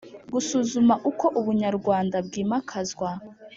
Gusuzuma uko ubunyarwanda bw’imakazwa